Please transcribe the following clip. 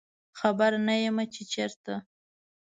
خبر نه یمه چې چیرته